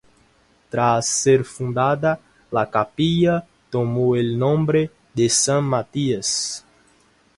Tras ser fundada, la capilla tomó el nombre de San Matías.